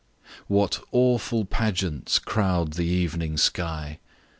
WHAT awful pageants crowd the evening sky!